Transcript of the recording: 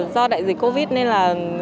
do đại dịch covid nên là